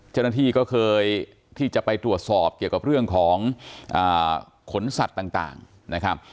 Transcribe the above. เจ้าหน้าที่ก็เคยที่จะไปตรวจสอบเกี่ยวกับเรื่องของขนสัตว์ต่างนะครับ